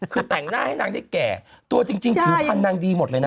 คือแต่งหน้าให้นางได้แก่ตัวจริงถือพันธนางดีหมดเลยนะ